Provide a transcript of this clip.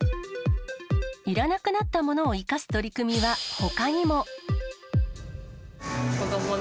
いらなくなったものを生かす取り組みはほかにも。